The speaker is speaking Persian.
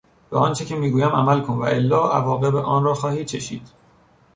به آنچه که میگویم عمل کن والا عواقب آن را خواهی چشید.